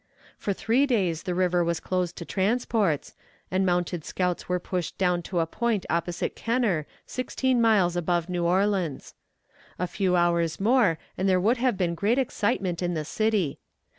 For three days the river was closed to transports, and mounted scouts were pushed down to a point opposite Kenner, sixteen miles above New Orleans. A few hours more, and there would have been great excitement in the city.